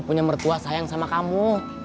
punya mertua sayang sama kamu